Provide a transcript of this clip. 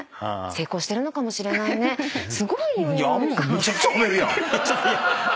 めちゃくちゃ褒めるやん！